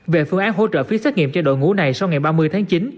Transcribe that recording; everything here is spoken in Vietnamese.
về phương án hỗ trợ phí xét nghiệm cho đội ngũ này sau ngày ba mươi tháng chín